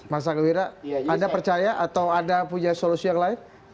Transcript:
mas angga wira anda percaya atau anda punya solusi yang lain